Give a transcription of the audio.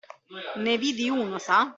Ne vidi uno sa?